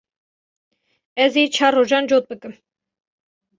Ez ê çar rojan cot bikim.